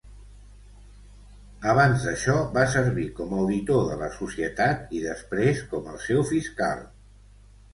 Abans d'això, va servir com auditor de la societat i després com el seu fiscal.